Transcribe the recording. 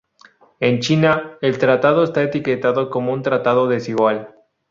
En China, el tratado está etiquetado como un tratado desigual.